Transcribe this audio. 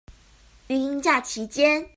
育嬰假期間